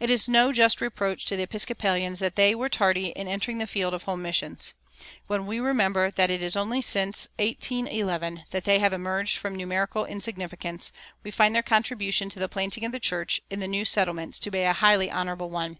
It is no just reproach to the Episcopalians that they were tardy in entering the field of home missions. When we remember that it is only since 1811 that they have emerged from numerical insignificance, we find their contribution to the planting of the church in the new settlements to be a highly honorable one.